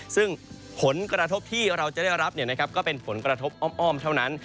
ซึ่งผลกระทบที่เราจะได้รับก็เป็นผลกระทบอ้อมเท่านั้น